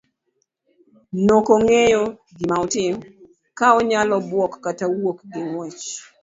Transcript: Nokong'eyo gima otim, kaonyalo buok kata wuok gi ng'uech.